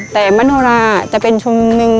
แต่มโนราจะเป็นชุมนุมหนึ่ง